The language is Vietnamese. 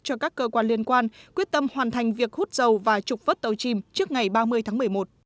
cho các cơ quan liên quan quyết tâm hoàn thành việc hút dầu và trục vớt tàu chìm trước ngày ba mươi tháng một mươi một